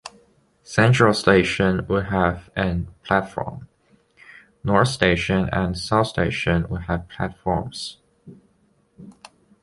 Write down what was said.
Central Station would have an platform; North Station and South Station would have platforms.